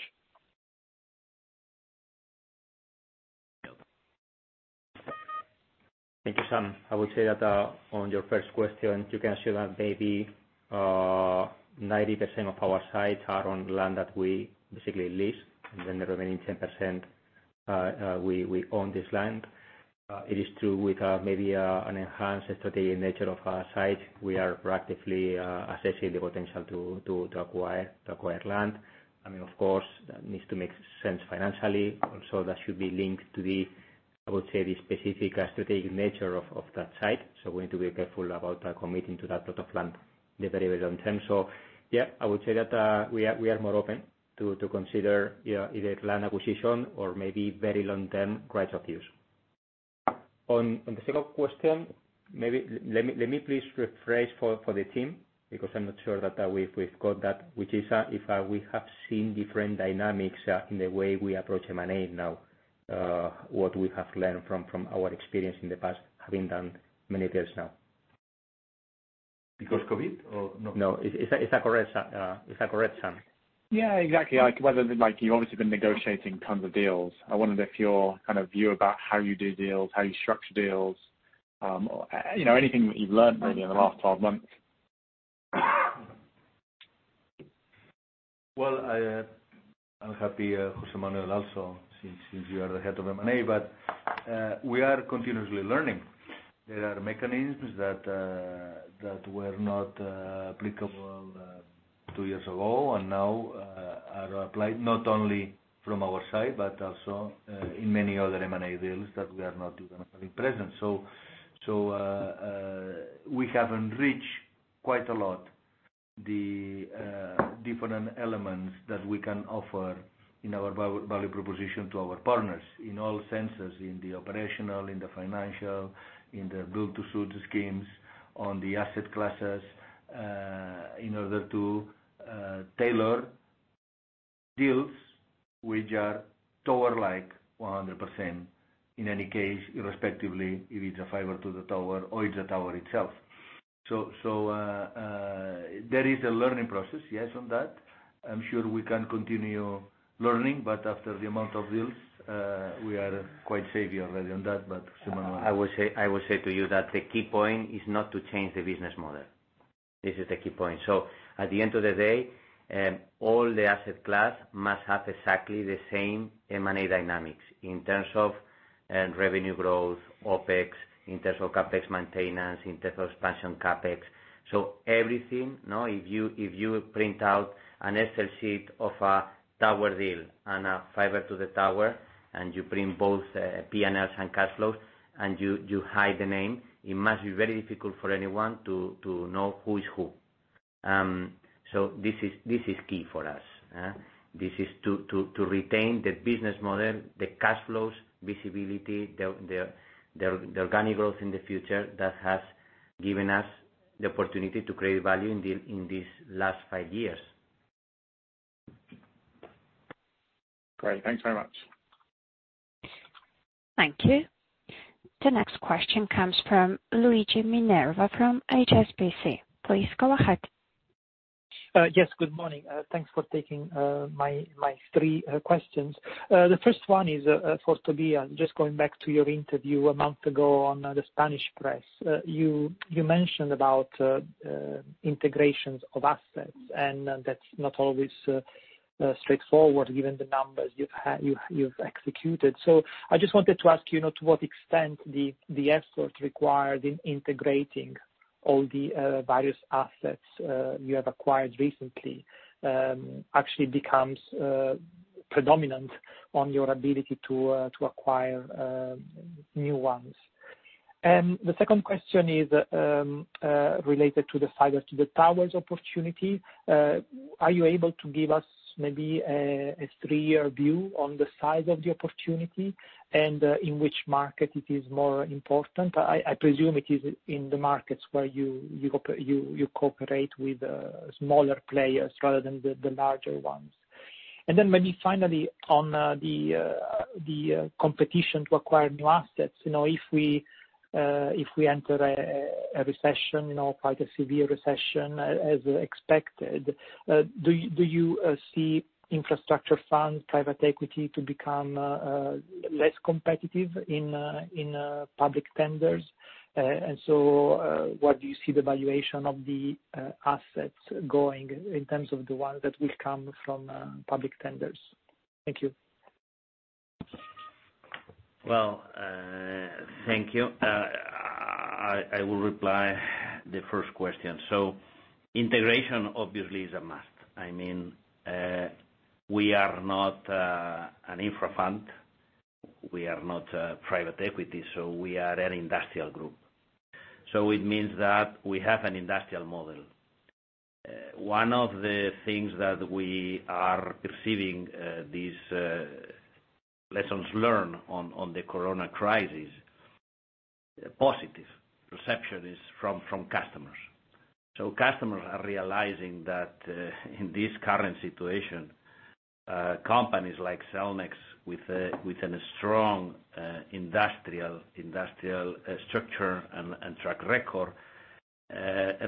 Thank you, Sam. I would say that on your first question, you can assume that maybe 90% of our sites are on land that we basically lease, and then the remaining 10% we own this land. It is true with maybe an enhanced strategic nature of our site. We are proactively assessing the potential to acquire land. I mean, of course, that needs to make sense financially. Also, that should be linked to the, I would say, the specific strategic nature of that site. So we need to be careful about committing to that plot of land in the very, very long term. So yeah, I would say that we are more open to consider either land acquisition or maybe very long-term rights of use. On the second question, maybe let me please rephrase for the team because I'm not sure that we've got that, which is if we have seen different dynamics in the way we approach M&A now, what we have learned from our experience in the past, having done many deals now. Because COVID or no? No, it's correct, Sam. Yeah. Exactly. Whether you've obviously been negotiating tons of deals. I wondered if your kind of view about how you do deals, how you structure deals, anything that you've learned maybe in the last 12 months. I'm happy, José Manuel, also since you are the head of M&A, but we are continuously learning. There are mechanisms that were not applicable two years ago and now are applied not only from our side, but also in many other M&A deals that we are not even having present. We have enriched quite a lot the different elements that we can offer in our value proposition to our partners in all senses: in the operational, in the financial, in the build-to-suit schemes, on the asset classes in order to tailor deals which are tower-like 100% in any case, irrespectively if it's a fiber to the tower or it's a tower itself. There is a learning process, yes, on that. I'm sure we can continue learning, but after the amount of deals, we are quite savvy already on that. José Manuel. I would say to you that the key point is not to change the business model. This is the key point. So at the end of the day, all the asset class must have exactly the same M&A dynamics in terms of revenue growth, OpEx, in terms of CapEx maintenance, in terms of expansion CapEx. So everything, if you print out an Excel sheet of a tower deal and a fiber to the tower, and you print both P&Ls and cash flows, and you hide the name, it must be very difficult for anyone to know who is who. So this is key for us. This is to retain the business model, the cash flows, visibility, the organic growth in the future that has given us the opportunity to create value in these last five years. Great. Thanks very much. Thank you. The next question comes from Luigi Minerva from HSBC. Please go ahead. Yes. Good morning. Thanks for taking my three questions. The first one is for Tobías. Just going back to your interview a month ago on the Spanish press, you mentioned about integrations of assets, and that's not always straightforward given the numbers you've executed. So I just wanted to ask you to what extent the effort required in integrating all the various assets you have acquired recently actually becomes predominant on your ability to acquire new ones. And the second question is related to the fiber to the towers opportunity. Are you able to give us maybe a three-year view on the size of the opportunity and in which market it is more important? I presume it is in the markets where you cooperate with smaller players rather than the larger ones. And then maybe finally on the competition to acquire new assets, if we enter a recession, quite a severe recession as expected, do you see infrastructure funds, private equity to become less competitive in public tenders? And so what do you see the valuation of the assets going in terms of the ones that will come from public tenders? Thank you. Thank you. I will reply to the first question. Integration obviously is a must. I mean, we are not an infra fund. We are not private equity. We are an industrial group. It means that we have an industrial model. One of the things that we are perceiving, these lessons learned on the corona crisis, positive perception is from customers. Customers are realizing that in this current situation, companies like Cellnex with a strong industrial structure and track record,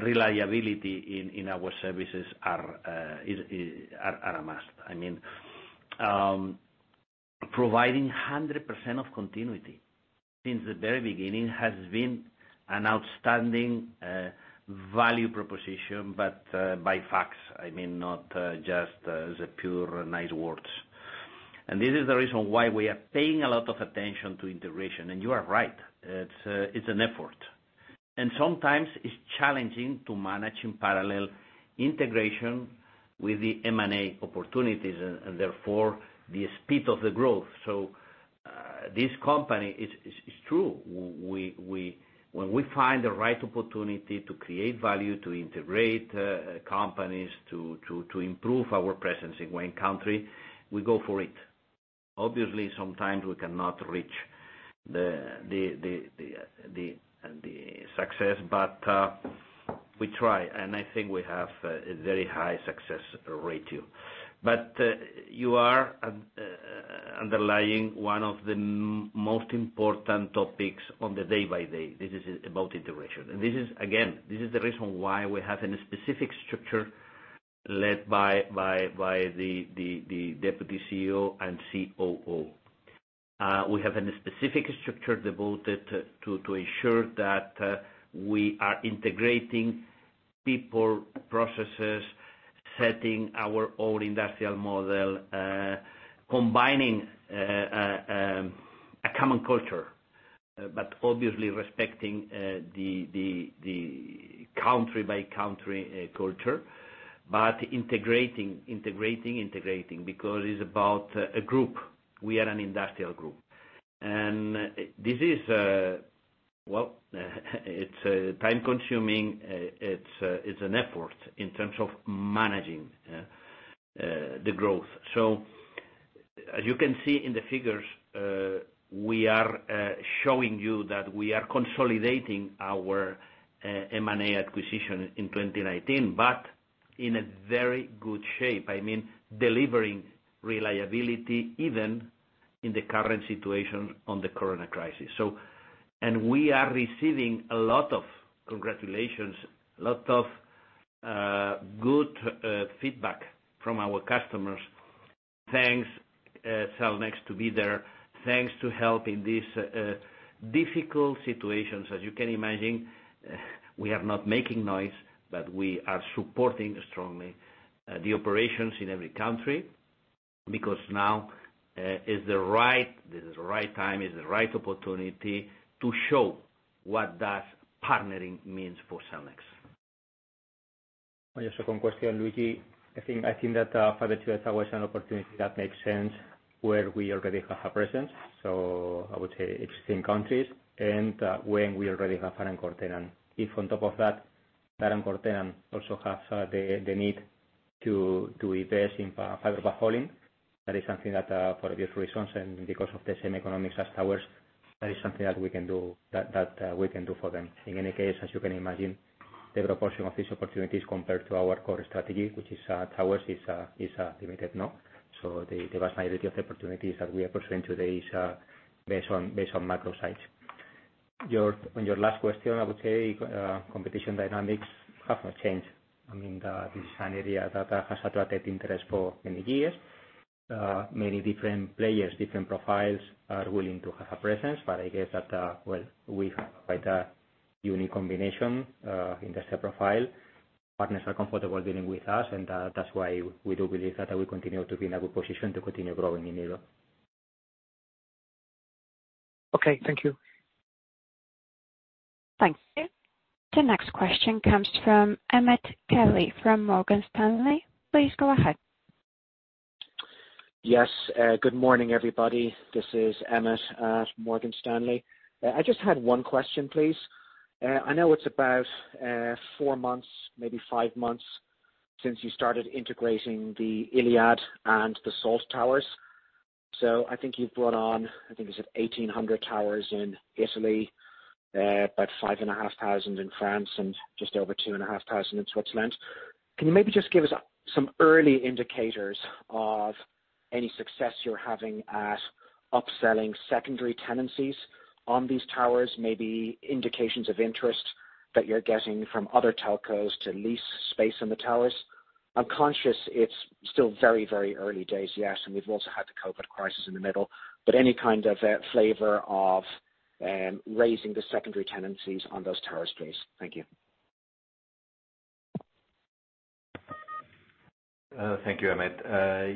reliability in our services are a must. I mean, providing 100% of continuity since the very beginning has been an outstanding value proposition, but by facts, I mean, not just the pure nice words, and this is the reason why we are paying a lot of attention to integration, and you are right. It's an effort. Sometimes it's challenging to manage in parallel integration with the M&A opportunities and therefore the speed of the growth. So this is true. When we find the right opportunity to create value, to integrate companies, to improve our presence in new countries, we go for it. Obviously, sometimes we cannot reach an agreement, but we try. And I think we have a very high success ratio. But you're underlining one of the most important topics on the day-to-day. This is about integration. And again, this is the reason why we have a specific structure led by the deputy CEO and COO. We have a specific structure devoted to ensure that we are integrating people, processes, setting our own industrial model, combining a common culture, but obviously respecting the country-by-country culture, but integrating, integrating, integrating because it's about a group. We are an industrial group. This is, well, it's time-consuming. It's an effort in terms of managing the growth. As you can see in the figures, we are showing you that we are consolidating our M&A acquisition in 2019, but in a very good shape. I mean, delivering reliability even in the current situation on the corona crisis. We are receiving a lot of congratulations, a lot of good feedback from our customers. Thanks, Cellnex, to be there. Thanks to help in these difficult situations. As you can imagine, we are not making noise, but we are supporting strongly the operations in every country because now is the right time, is the right opportunity to show what that partnering means for Cellnex. On your second question, Luigi, I think that fiber to the tower is an opportunity that makes sense where we already have a presence. So I would say existing countries and when we already have an anchor tenant. If on top of that, that anchor tenant also has the need to invest in fiber backhaul, that is something that for obvious reasons and because of the same economics as towers, that is something that we can do for them. In any case, as you can imagine, the proportion of these opportunities compared to our core strategy, which is towers, is limited. So the vast majority of the opportunities that we are pursuing today is based on macro sites. On your last question, I would say competition dynamics have not changed. I mean, this is an area that has attracted interest for many years. Many different players, different profiles are willing to have a presence, but I guess that, well, we have quite a unique combination in the profile. Partners are comfortable dealing with us, and that's why we do believe that we continue to be in a good position to continue growing in Europe. Okay. Thank you. Thanks. The next question comes from Emmet Kelly from Morgan Stanley. Please go ahead. Yes. Good morning, everybody. This is Emmet at Morgan Stanley. I just had one question, please. I know it's about four months, maybe five months since you started integrating the Iliad and the Salt Towers. So I think you've brought on, I think you said 1,800 towers in Italy, about 5,500 in France, and just over 2,500 in Switzerland. Can you maybe just give us some early indicators of any success you're having at upselling secondary tenancies on these towers, maybe indications of interest that you're getting from other telcos to lease space in the towers? I'm conscious it's still very, very early days, yes, and we've also had the COVID crisis in the middle, but any kind of flavor of raising the secondary tenancies on those towers, please. Thank you. Thank you, Emmet.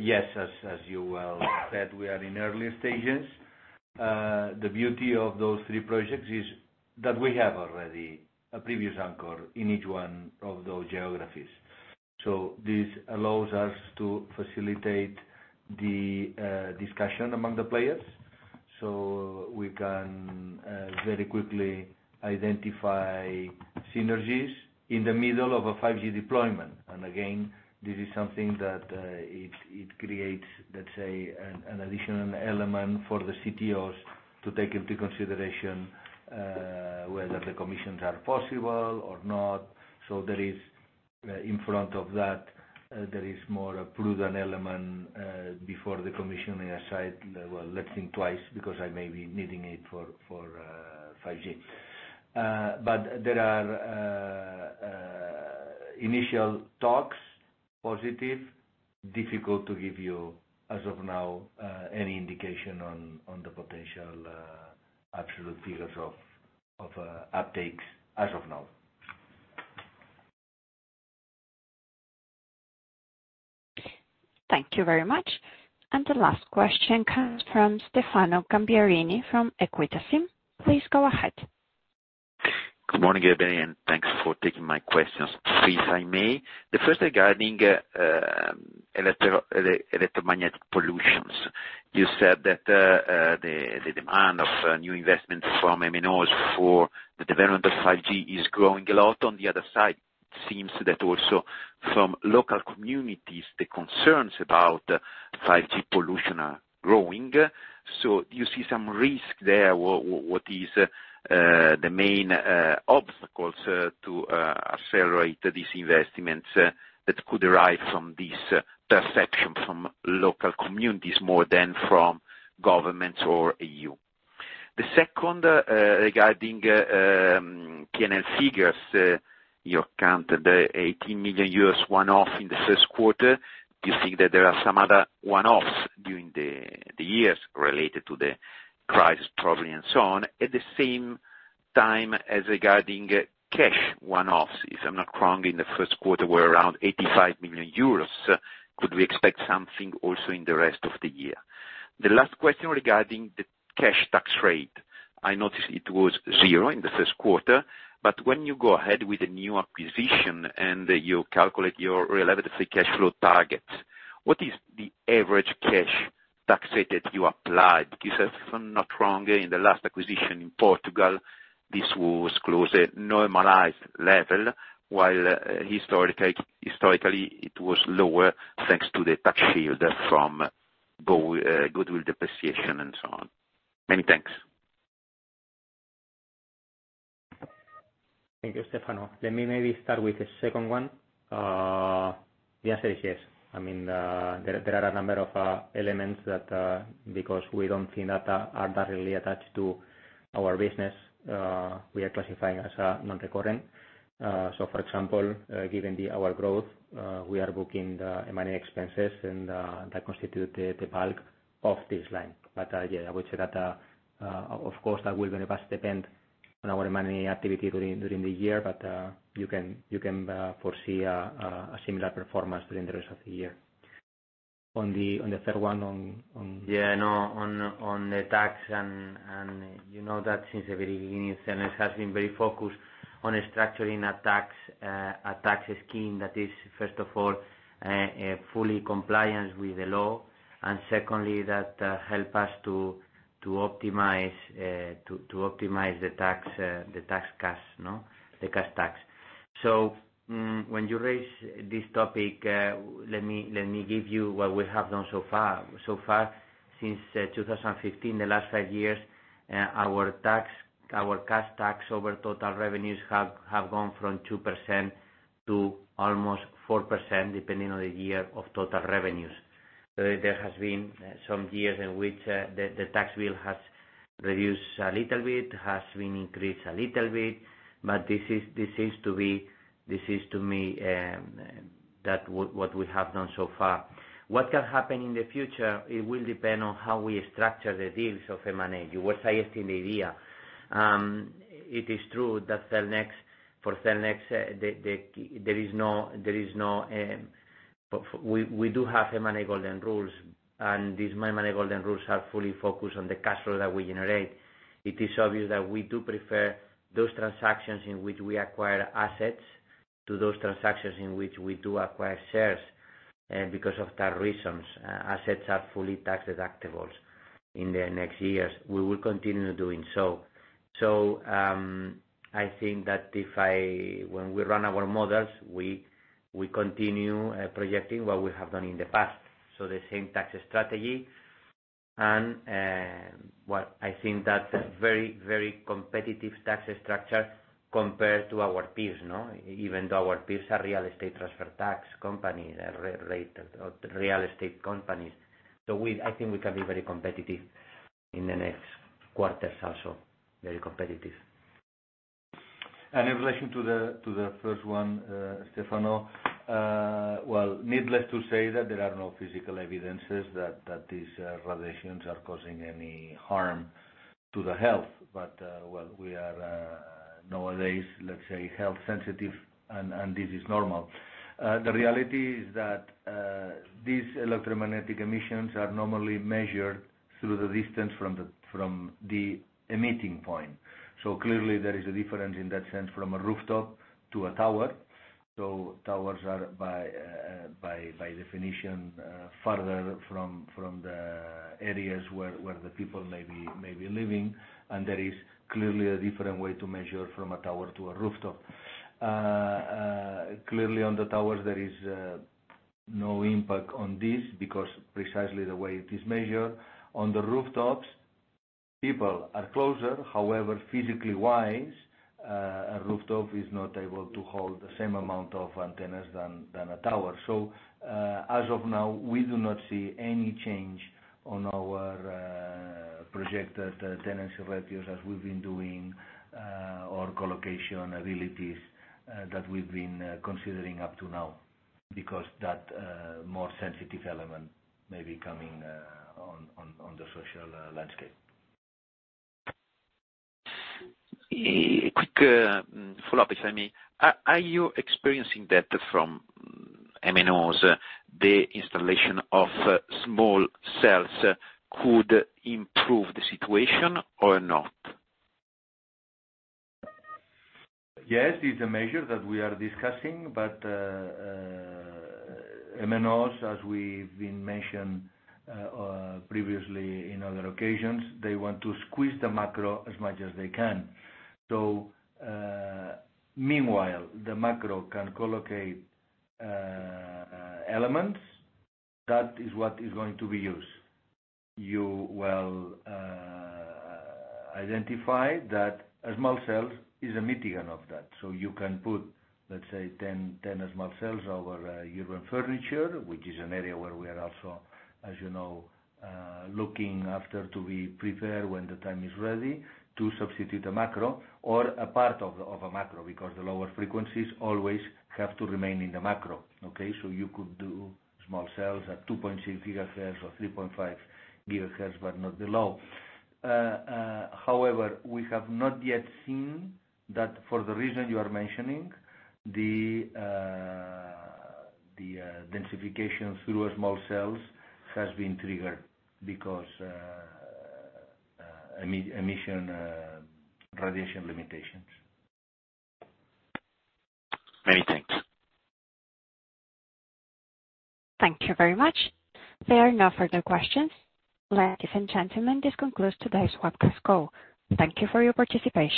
Yes, as you well said, we are in early stages. The beauty of those three projects is that we have already a previous anchor in each one of those geographies. So this allows us to facilitate the discussion among the players so we can very quickly identify synergies in the middle of a 5G deployment. And again, this is something that it creates, let's say, an additional element for the CTOs to take into consideration whether the decommissions are possible or not. So in front of that, there is more a prudent element before the decommissioning aside, well, let's think twice because I may be needing it for 5G. But there are initial talks, positive, difficult to give you as of now any indication on the potential absolute figures of uptakes as of now. Thank you very much. The last question comes from Stefano Gamberini from Equita SIM. Please go ahead. Good morning, everybody, and thanks for taking my questions. If I may, the first regarding electromagnetic pollution, you said that the demand of new investments from MNOs for the development of 5G is growing a lot. On the other side, it seems that also from local communities, the concerns about 5G pollution are growing. So do you see some risk there? What is the main obstacles to accelerate these investments that could arise from this perception from local communities more than from governments or EU? The second regarding P&L figures, you counted 18 million one-off in the first quarter. Do you think that there are some other one-offs during the years related to the crisis probably and so on? At the same time as regarding cash one-offs, if I'm not wrong, in the first quarter, we're around 85 million euros. Could we expect something also in the rest of the year? The last question regarding the cash tax rate. I noticed it was zero in the first quarter, but when you go ahead with a new acquisition and you calculate your relevant free cash flow targets, what is the average cash tax rate that you applied? If I'm not wrong, in the last acquisition in Portugal, this was close to a normalized level, while historically it was lower thanks to the tax shield from goodwill depreciation and so on. Many thanks. Thank you, Stefano. Let me maybe start with the second one. The answer is yes. I mean, there are a number of elements that, because we don't think that are directly attached to our business, we are classifying as non-recurrent. So for example, given our growth, we are booking the M&A expenses and that constitutes the bulk of this line. But yeah, I would say that, of course, that will very much depend on our M&A activity during the year, but you can foresee a similar performance during the rest of the year. On the third one. Yeah, no, on the tax, and you know that since the beginning, Cellnex has been very focused on structuring a tax scheme that is, first of all, fully compliant with the law, and secondly, that helps us to optimize the tax cash tax. So when you raise this topic, let me give you what we have done so far. So far, since 2015, the last five years, our cash tax over total revenues have gone from 2% to almost 4% depending on the year of total revenues. There has been some years in which the tax bill has reduced a little bit, has been increased a little bit, but this seems to be this is to me what we have done so far. What can happen in the future, it will depend on how we structure the deals of M&A. You were suggesting the idea. It is true that for Cellnex, we do have M&A golden rules, and these M&A golden rules are fully focused on the cash flow that we generate. It is obvious that we do prefer those transactions in which we acquire assets to those transactions in which we do acquire shares because of that reason. Assets are fully tax deductible in the next years. We will continue doing so. I think that when we run our models, we continue projecting what we have done in the past, so the same tax strategy, and I think that's a very, very competitive tax structure compared to our peers, even though our peers are real estate transfer tax companies, real estate companies. I think we can be very competitive in the next quarters also, very competitive. In relation to the first one, Stefano, well, needless to say that there is no physical evidence that this radiation is causing any harm to the health. But well, we are nowadays, let's say, health-sensitive, and this is normal. The reality is that these electromagnetic emissions are normally measured through the distance from the emitting point. So clearly, there is a difference in that sense from a rooftop to a tower. So towers are, by definition, farther from the areas where the people may be living. And there is clearly a different way to measure from a tower to a rooftop. Clearly, on the towers, there is no impact on this because precisely the way it is measured. On the rooftops, people are closer. However, physically wise, a rooftop is not able to hold the same amount of antennas as a tower. So as of now, we do not see any change on our projected tenancy ratios as we've been doing or colocation abilities that we've been considering up to now because that more sensitive element may be coming on the social landscape. Quick follow-up, if I may. Are you experiencing that from MNOs? The installation of small cells could improve the situation or not? Yes, it's a measure that we are discussing, but MNOs, as has been mentioned previously in other occasions, they want to squeeze the macro as much as they can. So meanwhile, the macro can colocate elements. That is what is going to be used. You will identify that small cells is a mitigant of that. So you can put, let's say, 10 small cells over urban furniture, which is an area where we are also, as you know, looking to be prepared when the time is ready to substitute a macro or a part of a macro because the lower frequencies always have to remain in the macro. Okay? So you could do small cells at 2.6 gigahertz or 3.5 gigahertz, but not below. However, we have not yet seen that for the reason you are mentioning, the densification through small cells has been triggered because of emission radiation limitations. Many thanks. Thank you very much. There are no further questions. Ladies and gentlemen, this concludes today's webcast call. Thank you for your participation.